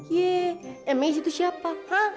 yee m i c itu siapa